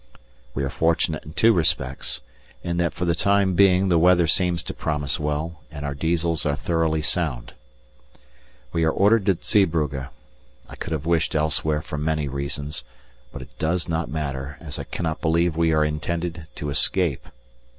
We are fortunate in two respects: in that for the time being the weather seems to promise well, and our Diesels are thoroughly sound. We are ordered to Zeebrugge I could have wished elsewhere for many reasons, but it does not matter, as I cannot believe we are intended to escape.